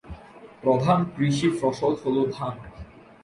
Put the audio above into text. প্রধান কৃষি ফসল হলো ধান।